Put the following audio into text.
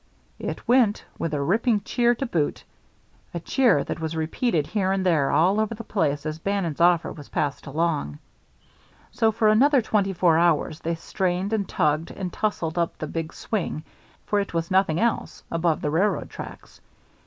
It went, with a ripping cheer to boot; a cheer that was repeated here and there all over the place as Bannon's offer was passed along. So for another twenty four hours they strained and tugged and tusselled up in the big swing, for it was nothing else, above the railroad tracks.